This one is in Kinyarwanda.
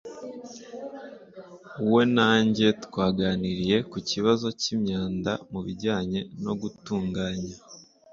we na njye twaganiriye ku kibazo cy'imyanda mu bijyanye no gutunganya